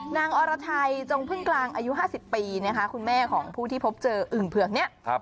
อรไทยจงพึ่งกลางอายุ๕๐ปีนะคะคุณแม่ของผู้ที่พบเจออึ่งเผือกนี้